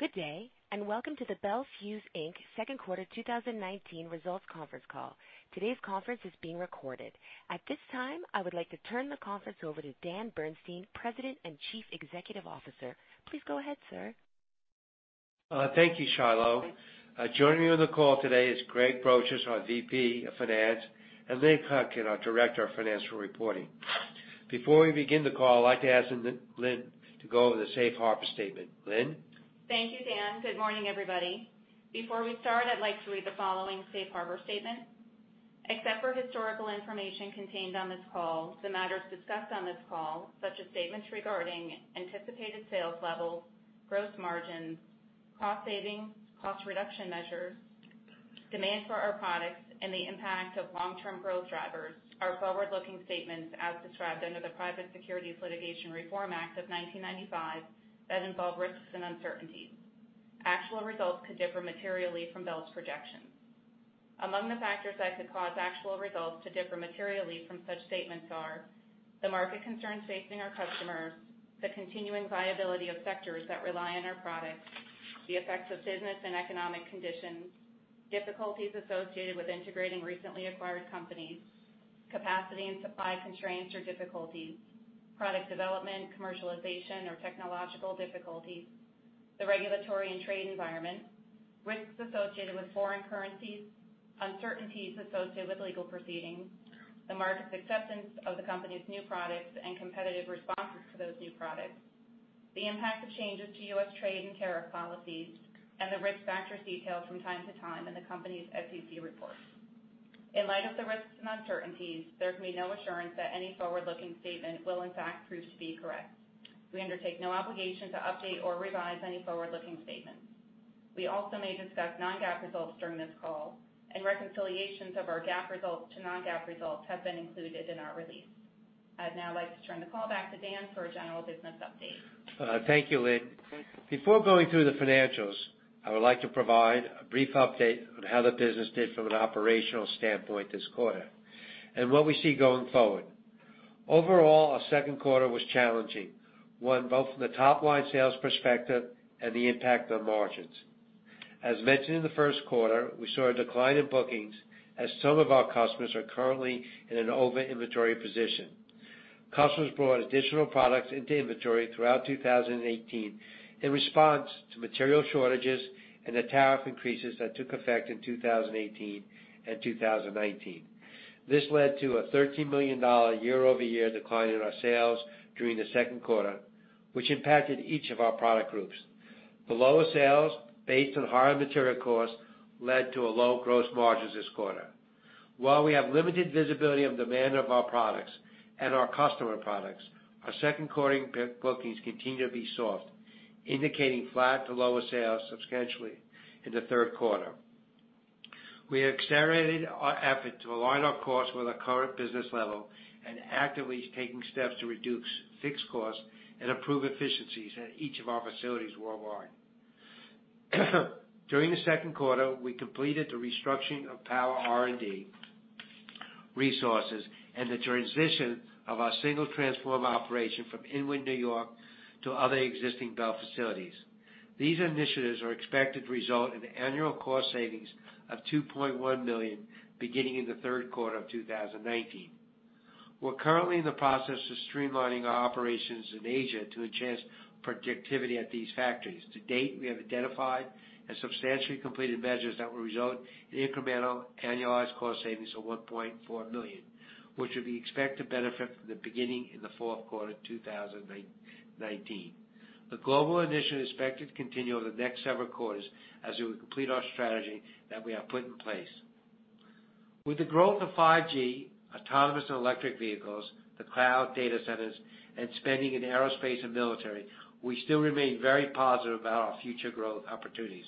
Good day, welcome to the Bel Fuse Inc. second quarter 2019 results conference call. Today's conference is being recorded. At this time, I would like to turn the conference over to Daniel Bernstein, President and Chief Executive Officer. Please go ahead, sir. Thank you, Shiloh. Joining me on the call today is Craig Brosious, our VP of Finance, and Lynn Hutkin, our Director of Financial Reporting. Before we begin the call, I'd like to ask Lynn to go over the safe harbor statement. Lynn? Thank you, Dan. Good morning, everybody. Before we start, I'd like to read the following safe harbor statement. Except for historical information contained on this call, the matters discussed on this call, such as statements regarding anticipated sales levels, gross margins, cost savings, cost reduction measures, demand for our products, and the impact of long-term growth drivers, are forward-looking statements as described under the Private Securities Litigation Reform Act of 1995 that involve risks and uncertainties. Actual results could differ materially from Bel's projections. Among the factors that could cause actual results to differ materially from such statements are the market concerns facing our customers, the continuing viability of sectors that rely on our products, the effects of business and economic conditions, difficulties associated with integrating recently acquired companies, capacity and supply constraints or difficulties, product development, commercialization, or technological difficulties, the regulatory and trade environment, risks associated with foreign currencies, uncertainties associated with legal proceedings, the market's acceptance of the company's new products and competitive responses to those new products, the impact of changes to U.S. trade and tariff policies, and the risk factors detailed from time to time in the company's SEC reports. In light of the risks and uncertainties, there can be no assurance that any forward-looking statement will in fact prove to be correct. We undertake no obligation to update or revise any forward-looking statements. We also may discuss non-GAAP results during this call, and reconciliations of our GAAP results to non-GAAP results have been included in our release. I'd now like to turn the call back to Dan for a general business update. Thank you, Lynn. Before going through the financials, I would like to provide a brief update on how the business did from an operational standpoint this quarter and what we see going forward. Overall, our second quarter was challenging, one, both from the top-line sales perspective and the impact on margins. As mentioned in the first quarter, we saw a decline in bookings as some of our customers are currently in an over-inventory position. Customers brought additional products into inventory throughout 2018 in response to material shortages and the tariff increases that took effect in 2018 and 2019. This led to a $13 million year-over-year decline in our sales during the second quarter, which impacted each of our product groups. The lower sales, based on higher material costs, led to low gross margins this quarter. While we have limited visibility of demand of our products and our customer products, our second-quarter bookings continue to be soft, indicating flat to lower sales substantially in the third quarter. We have accelerated our effort to align our costs with our current business level and actively taking steps to reduce fixed costs and improve efficiencies at each of our facilities worldwide. During the second quarter, we completed the restructuring of power R&D resources and the transition of our single transformer operation from Inwood, N.Y., to other existing Bel facilities. These initiatives are expected to result in annual cost savings of $2.1 million beginning in the third quarter of 2019. We're currently in the process of streamlining our operations in Asia to enhance productivity at these factories. To date, we have identified and substantially completed measures that will result in incremental annualized cost savings of $1.4 million, which we expect to benefit from the beginning in the fourth quarter of 2019. The global initiative is expected to continue over the next several quarters as we complete our strategy that we have put in place. With the growth of 5G, autonomous and electric vehicles, the cloud data centers, and spending in aerospace and military, we still remain very positive about our future growth opportunities.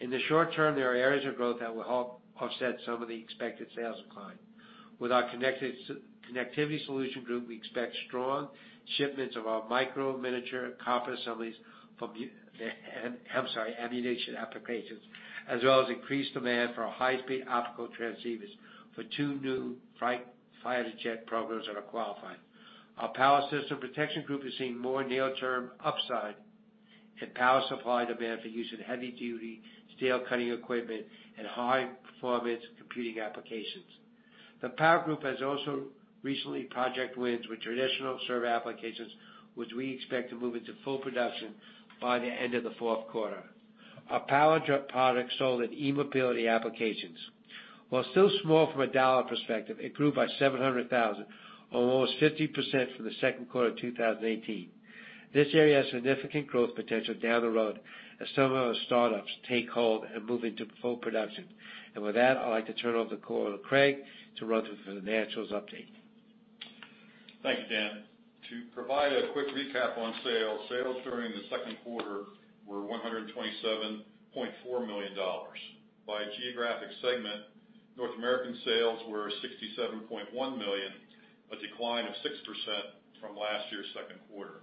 In the short term, there are areas of growth that will help offset some of the expected sales decline. With our Connectivity Solutions Group, we expect strong shipments of our micro-miniature copper assemblies for, I'm sorry, ammunition applications, as well as increased demand for our high-speed optical transceivers for two new fighter jet programs that are qualifying. Our Power Solutions and Protection group is seeing more near-term upside in power supply demand for use in heavy-duty steel cutting equipment and high-performance computing applications. The Power group has also recently project wins with traditional server applications, which we expect to move into full production by the end of the fourth quarter. Our power products sold in e-mobility applications. While still small from a dollar perspective, it grew by 700,000, or almost 50% from the second quarter of 2018. This area has significant growth potential down the road as some of the startups take hold and move into full production. With that, I'd like to turn over the call to Craig to run through the financials update. Thank you, Dan. To provide a quick recap on sales during the second quarter were $127.4 million. By geographic segment, North American sales were $67.1 million, a decline of 6% from last year's second quarter.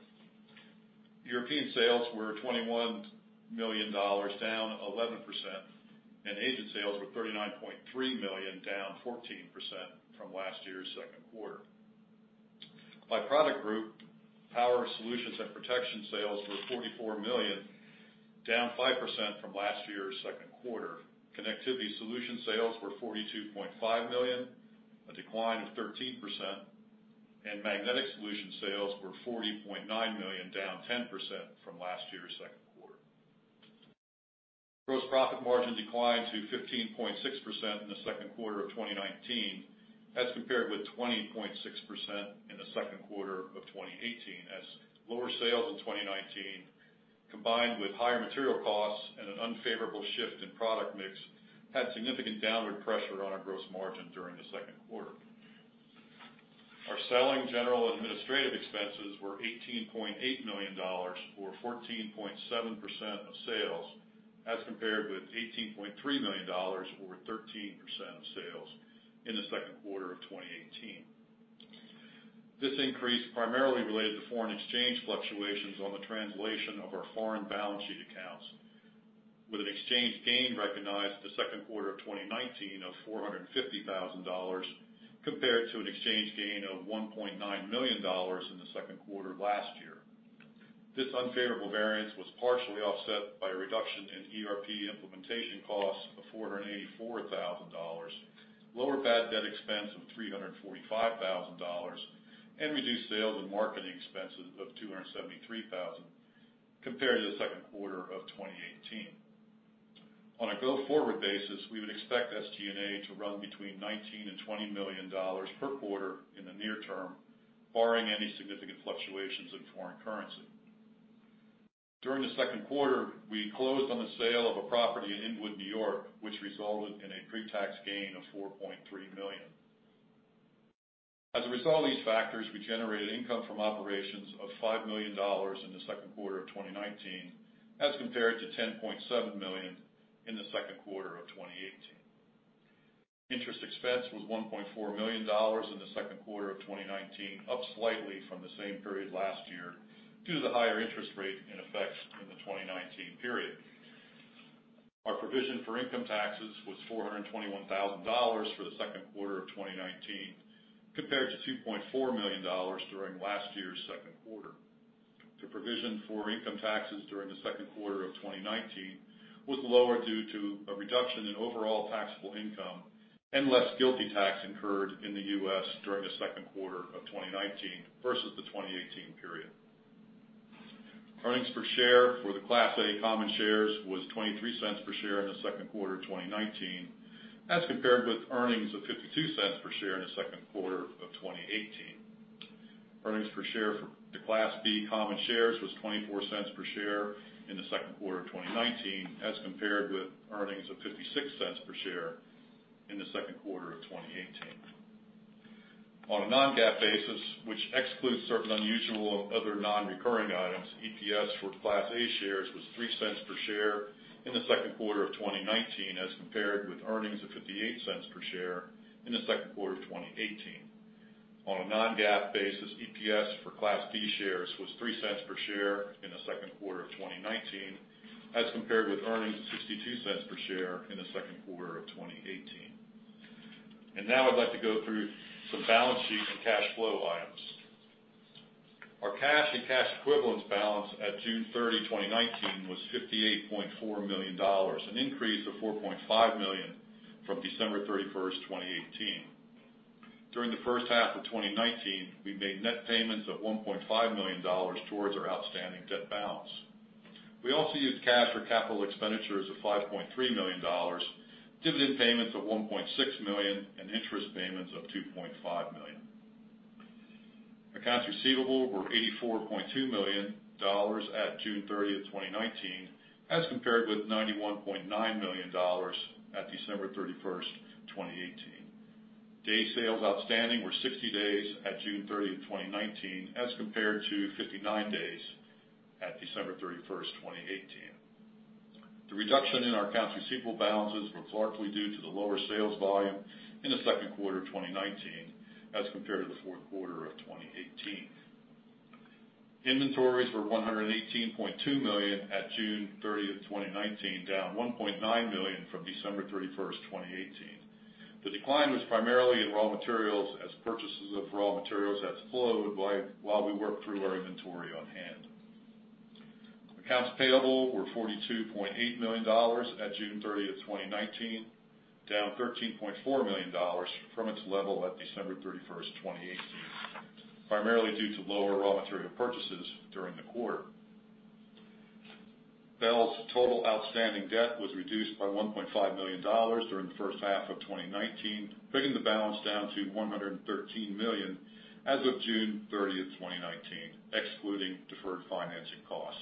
European sales were $21 million. $3 million, down 14% from last year's second quarter. By product group, Power Solutions and Protection sales were $44 million, down 5% from last year's second quarter. Connectivity Solutions sales were $42.5 million, a decline of 13%. Magnetic Solutions sales were $40.9 million, down 10% from last year's second quarter. Gross profit margin declined to 15.6% in the second quarter of 2019 as compared with 20.6% in the second quarter of 2018, as lower sales in 2019, combined with higher material costs and an unfavorable shift in product mix, had significant downward pressure on our gross margin during the second quarter. Our selling, general, and administrative expenses were $18.8 million, or 14.7% of sales, as compared with $18.3 million, or 13% of sales, in the second quarter of 2018. This increase primarily related to foreign exchange fluctuations on the translation of our foreign balance sheet accounts, with an exchange gain recognized for the second quarter of 2019 of $450,000, compared to an exchange gain of $1.9 million in the second quarter of last year. This unfavorable variance was partially offset by a reduction in ERP implementation costs of $484,000, lower bad debt expense of $345,000, and reduced sales and marketing expenses of $273,000 compared to the second quarter of 2018. On a go-forward basis, we would expect SG&A to run between $19 million and $20 million per quarter in the near term, barring any significant fluctuations in foreign currency. During the second quarter, we closed on the sale of a property in Inwood, New York, which resulted in a pre-tax gain of $4.3 million. As a result of these factors, we generated income from operations of $5 million in the second quarter of 2019, as compared to $10.7 million in the second quarter of 2018. Interest expense was $1.4 million in the second quarter of 2019, up slightly from the same period last year due to the higher interest rate in effect during the 2019 period. Our provision for income taxes was $421,000 for the second quarter of 2019, compared to $2.4 million during last year's second quarter. The provision for income taxes during the second quarter of 2019 was lower due to a reduction in overall taxable income and less GILTI tax incurred in the U.S. during the second quarter of 2019 versus the 2018 period. Earnings per share for the Class A common shares was $0.23 per share in the second quarter of 2019, as compared with earnings of $0.52 per share in the second quarter of 2018. Earnings per share for the Class B common shares was $0.24 per share in the second quarter of 2019 as compared with earnings of $0.56 per share in the second quarter of 2018. On a non-GAAP basis, which excludes certain unusual other non-recurring items, EPS for Class A shares was $0.03 per share in the second quarter of 2019, as compared with earnings of $0.58 per share in the second quarter of 2018. On a non-GAAP basis, EPS for Class B shares was $0.03 per share in the second quarter of 2019, as compared with earnings of $0.62 per share in the second quarter of 2018. Now I'd like to go through some balance sheet and cash flow items. Our cash and cash equivalents balance at June 30, 2019, was $58.4 million, an increase of $4.5 million from December 31, 2018. During the first half of 2019, we made net payments of $1.5 million towards our outstanding debt balance. We also used cash for capital expenditures of $5.3 million, dividend payments of $1.6 million, and interest payments of $2.5 million. Accounts receivable were $84.2 million at June 30, 2019, as compared with $91.9 million at December 31, 2018. Day sales outstanding were 60 days at June 30, 2019, as compared to 59 days at December 31, 2018. The reduction in our accounts receivable balances was largely due to the lower sales volume in the second quarter of 2019 as compared to the fourth quarter of 2018. Inventories were $118.2 million at June 30th, 2019, down $1.9 million from December 31st, 2018. The decline was primarily in raw materials as purchases of raw materials have slowed while we work through our inventory on hand. Accounts payable were $42.8 million at June 30th, 2019, down $13.4 million from its level at December 31st, 2018, primarily due to lower raw material purchases during the quarter. Bel's total outstanding debt was reduced by $1.5 million during the first half of 2019, bringing the balance down to $113 million as of June 30th, 2019, excluding deferred financing costs.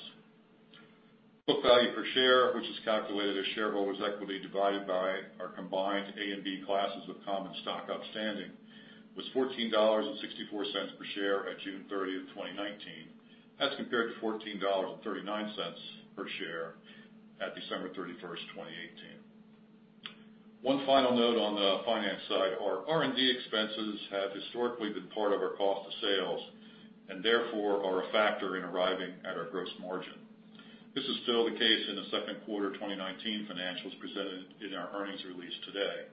Book value per share, which is calculated as shareholder's equity divided by our combined Class A and Class B common stock outstanding, was $14.64 per share at June 30th, 2019, as compared to $14.39 per share at December 31st, 2018. Our R&D expenses have historically been part of our cost of sales, and therefore are a factor in arriving at our gross margin. This is still the case in the second quarter 2019 financials presented in our earnings release today.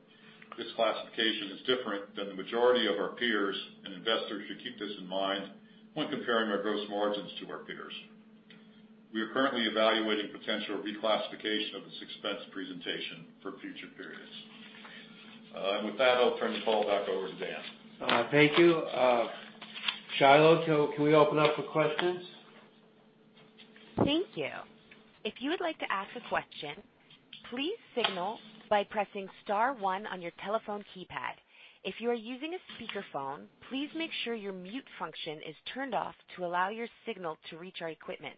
This classification is different than the majority of our peers, and investors should keep this in mind when comparing our gross margins to our peers. We are currently evaluating potential reclassification of this expense presentation for future periods. With that, I'll turn the call back over to Dan. Thank you. Shiloh, can we open up for questions? Thank you. If you would like to ask a question, please signal by pressing star one on your telephone keypad. If you are using a speakerphone, please make sure your mute function is turned off to allow your signal to reach our equipment.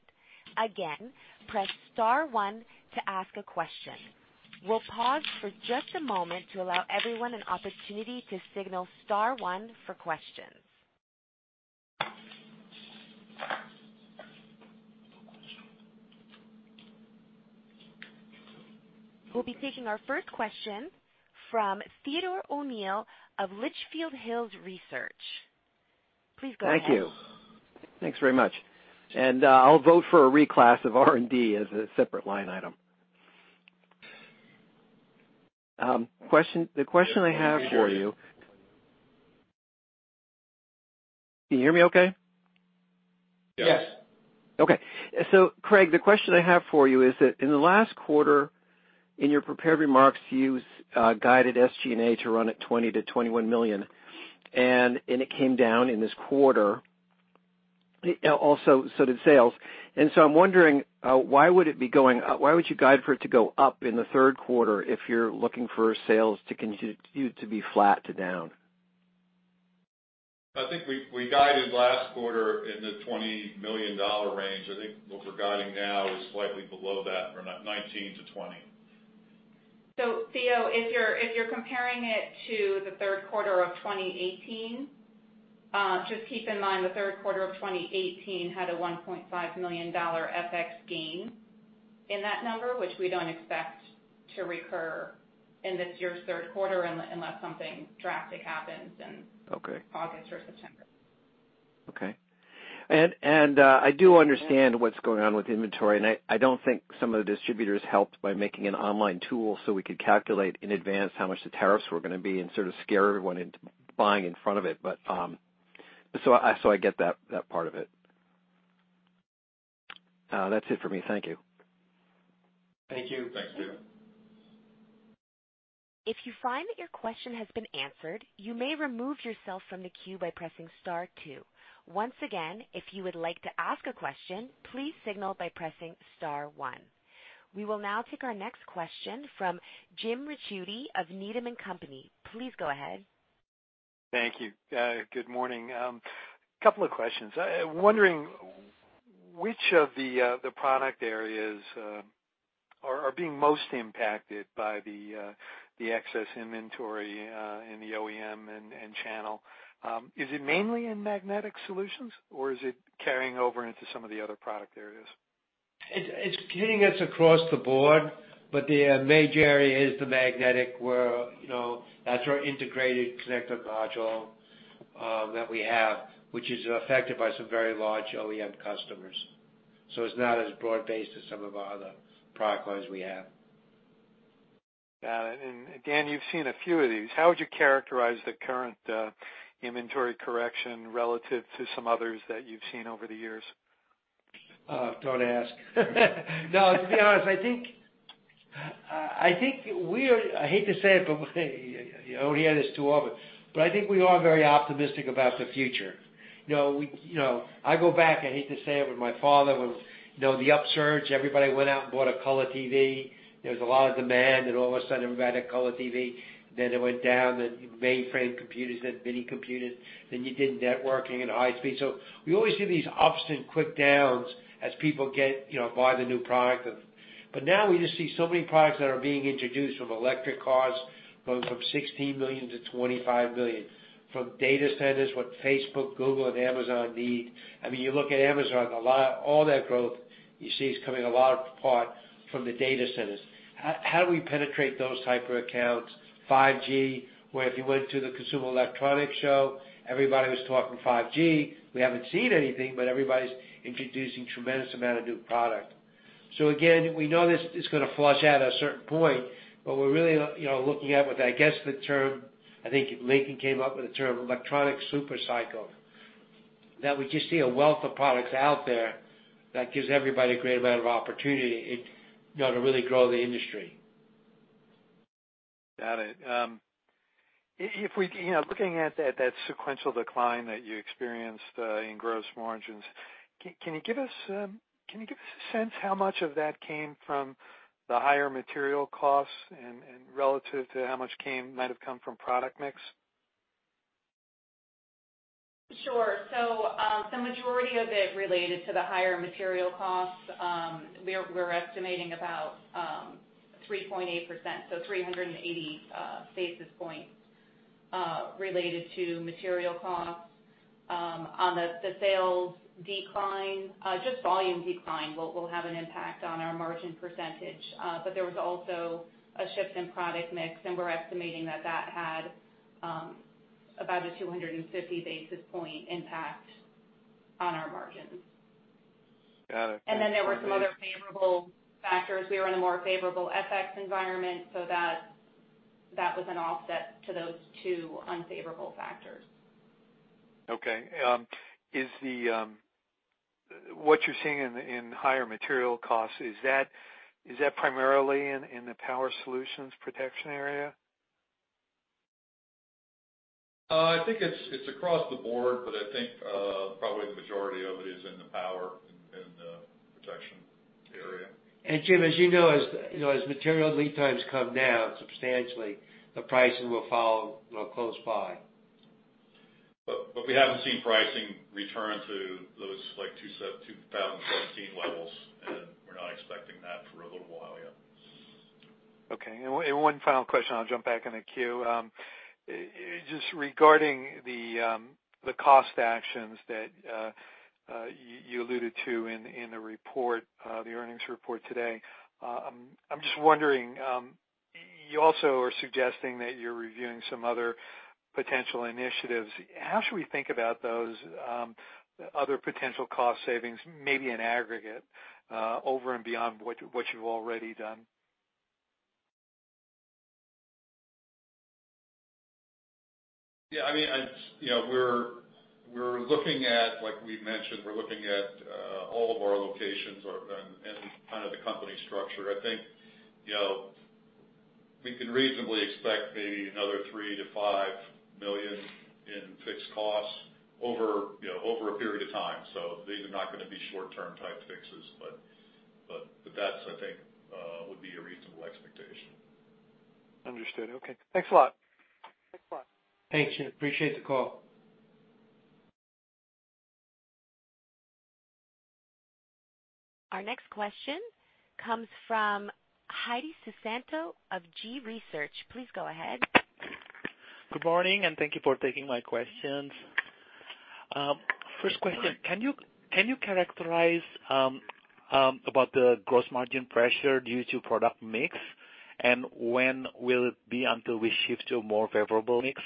Again, press star one to ask a question. We'll pause for just a moment to allow everyone an opportunity to signal star one for questions. We'll be taking our first question from Theodore O'Neill of Litchfield Hills Research. Please go ahead. Thank you. Thanks very much. I'll vote for a reclass of R&D as a separate line item. The question I have for you. Yes, we hear you. Can you hear me okay? Yes. Okay. Craig, the question I have for you is that in the last quarter, in your prepared remarks, you guided SG&A to run at $20 million-$21 million, and it came down in this quarter. Also, so did sales. I'm wondering why would you guide for it to go up in the third quarter if you're looking for sales to continue to be flat to down? I think we guided last quarter in the $20 million range. I think what we're guiding now is slightly below that, around $19 million-$20 million. Theo, if you're comparing it to the third quarter of 2018, just keep in mind the third quarter of 2018 had a $1.5 million FX gain in that number, which we don't expect to recur in this year's third quarter unless something drastic happens in. Okay August or September. Okay. I do understand what's going on with inventory, and I don't think some of the distributors helped by making an online tool so we could calculate in advance how much the tariffs were going to be and sort of scare everyone into buying in front of it. I get that part of it. That's it for me. Thank you. Thank you. Thanks, Theo. If you find that your question has been answered, you may remove yourself from the queue by pressing star 2. Once again, if you would like to ask a question, please signal by pressing star 1. We will now take our next question from Jim Ricchiuti of Needham & Company. Please go ahead. Thank you. Good morning. Couple of questions. Wondering which of the product areas are being most impacted by the excess inventory in the OEM and channel. Is it mainly in Magnetic Solutions, or is it carrying over into some of the other product areas? It's hitting us across the board, but the major area is the Magnetic, that's our Integrated Connector Module that we have, which is affected by some very large OEM customers. It's not as broad-based as some of our other product lines we have. Got it. Dan, you've seen a few of these. How would you characterize the current inventory correction relative to some others that you've seen over the years? Don't ask. No, to be honest, I hate to say it, but we only had this to offer, but I think we are very optimistic about the future. I go back, I hate to say it, with my father when the upsurge, everybody went out and bought a color TV. There was a lot of demand, all of a sudden everybody had a color TV. It went down, then mainframe computers, then mini computers, then you did networking and high speed. We always see these ups and quick downs as people buy the new product. Now we just see so many products that are being introduced from electric cars going from 16 million to 25 million, from data centers, what Facebook, Google, and Amazon need. You look at Amazon, all that growth you see is coming a lot apart from the data centers. How do we penetrate those type of accounts? 5G, where if you went to the Consumer Electronics Show, everybody was talking 5G. We haven't seen anything, but everybody's introducing tremendous amount of new product. Again, we know this is going to flush out at a certain point, but we're really looking at what I guess the term, I think Lincoln came up with the term electronic super cycle. We just see a wealth of products out there that gives everybody a great amount of opportunity to really grow the industry. Got it. Looking at that sequential decline that you experienced in gross margins, can you give us a sense how much of that came from the higher material costs and relative to how much might have come from product mix? Sure. The majority of it related to the higher material costs. We're estimating about 3.8%, so 380 basis points related to material costs. On the sales decline, just volume decline will have an impact on our margin percentage. There was also a shift in product mix, and we're estimating that that had about a 250 basis point impact on our margins. Got it. There were some other favorable factors. We were in a more favorable FX environment, so that was an offset to those two unfavorable factors. Okay. What you're seeing in higher material costs, is that primarily in the Power Solutions and Protection area? I think it's across the board, but I think probably the majority of it is in the Power Solutions and Protection area. Jim, as you know, as material lead times come down substantially, the pricing will follow close by. We haven't seen pricing return to those 2017 levels, and we're not expecting that for a little while yet. Okay. One final question, I'll jump back in the queue. Just regarding the cost actions that you alluded to in the report, the earnings report today, I'm just wondering, you also are suggesting that you're reviewing some other potential initiatives. How should we think about those other potential cost savings, maybe in aggregate, over and beyond what you've already done? Yeah. Like we mentioned, we're looking at all of our locations and kind of the company structure. I think, we can reasonably expect maybe another $3 million-$5 million in fixed costs over a period of time. These are not going to be short-term type fixes, but that, I think, would be a reasonable expectation. Understood. Okay. Thanks a lot. Thanks, Jim. Appreciate the call. Our next question comes from Hendi Susanto of Gabelli Funds. Please go ahead. Good morning. Thank you for taking my questions. First question, can you characterize about the gross margin pressure due to product mix? When will it be until we shift to a more favorable mix?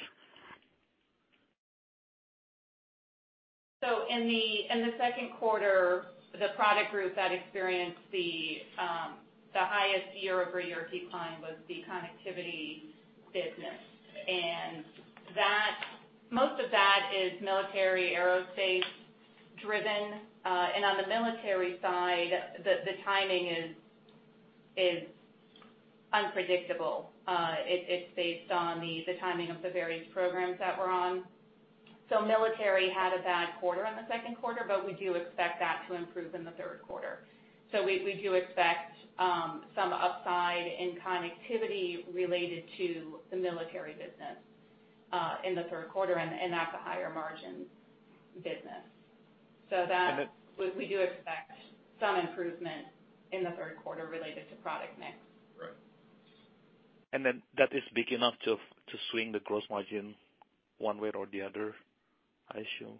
In the second quarter, the product group that experienced the highest year-over-year decline was the Connectivity business, and most of that is military aerospace driven. On the military side, the timing is unpredictable. It's based on the timing of the various programs that we're on. Military had a bad quarter on the second quarter, but we do expect that to improve in the third quarter. We do expect some upside in Connectivity related to the military business in the third quarter, and that's a higher margin business. And then- We do expect some improvement in the third quarter related to product mix. Right. That is big enough to swing the gross margin one way or the other, I assume?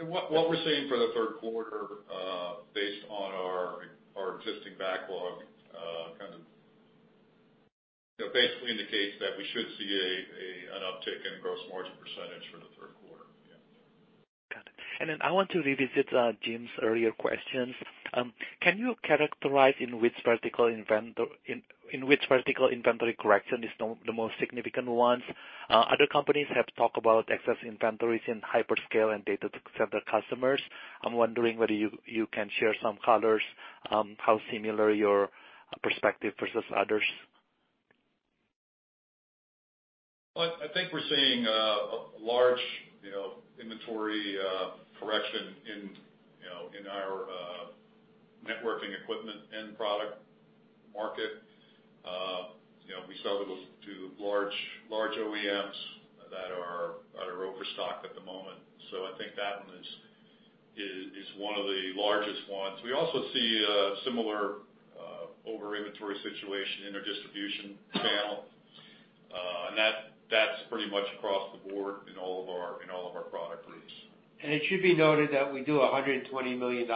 What we're seeing for the third quarter, based on our existing backlog, basically indicates that we should see an uptick in gross margin percentage for the third quarter. Yeah. Got it. I want to revisit Jim's earlier questions. Can you characterize in which vertical inventory correction is the most significant ones? Other companies have talked about excess inventories in hyperscale and data center customers. I'm wondering whether you can share some color, how similar your perspective versus others. I think we're seeing a large inventory correction in our networking equipment end product market. We sell to large OEMs that are overstocked at the moment. I think that one is one of the largest ones. We also see a similar over inventory situation in our distribution channel. That's pretty much across the board in all of our product groups. It should be noted that we do $120 million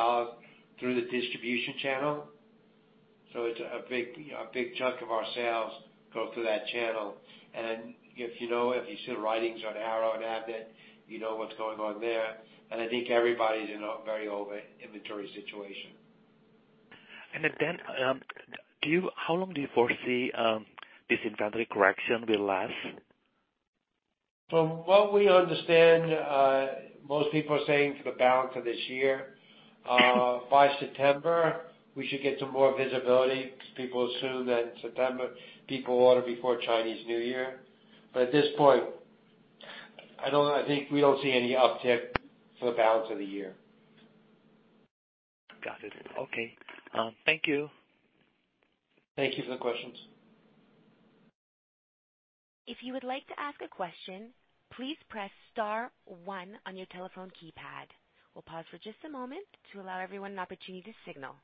through the distribution channel. It's a big chunk of our sales go through that channel. If you know, if you see the writings on Arrow and Avnet, you know what's going on there. I think everybody's in a very over inventory situation. How long do you foresee this inventory correction will last? From what we understand, most people are saying for the balance of this year. By September, we should get to more visibility because people assume that in September, people order before Chinese New Year. At this point, I think we don't see any uptick for the balance of the year. Got it. Okay. Thank you. Thank you for the questions. If you would like to ask a question, please press star one on your telephone keypad. We'll pause for just a moment to allow everyone an opportunity to signal.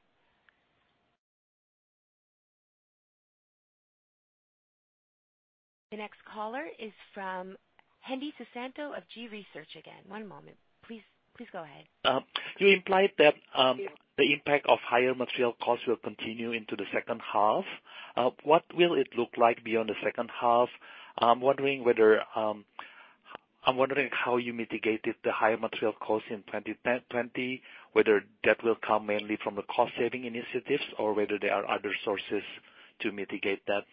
The next caller is from Hendi Susanto of Gabelli Funds again. One moment, please go ahead. You implied that the impact of higher material costs will continue into the second half. What will it look like beyond the second half? I'm wondering how you mitigated the higher material costs in 2020, whether that will come mainly from the cost-saving initiatives or whether there are other sources to mitigate that.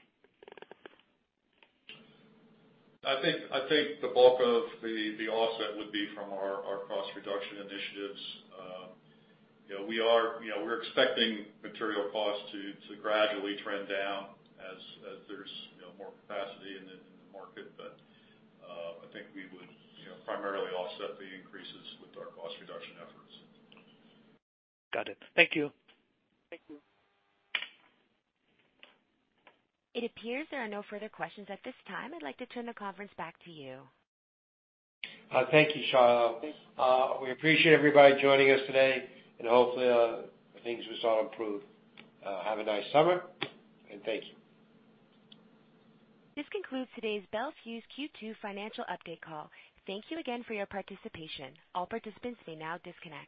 I think the bulk of the offset would be from our cost reduction initiatives. We're expecting material costs to gradually trend down as there's more capacity in the market. I think we would primarily offset the increases with our cost reduction efforts. Got it. Thank you. It appears there are no further questions at this time. I'd like to turn the conference back to you. Thank you, Charlotte. We appreciate everybody joining us today and hopefully things will soon improve. Have a nice summer and thank you. This concludes today's Bel Fuse Q2 Financial Update Call. Thank you again for your participation. All participants may now disconnect.